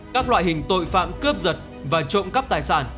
các loại hình tội phạm cướp giật và trộm cắp tài sản